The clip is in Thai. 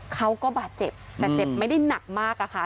เขาก็บาดเจ็บแต่เจ็บไม่ได้หนักมากอะค่ะ